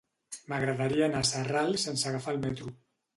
M'agradaria anar a Sarral sense agafar el metro.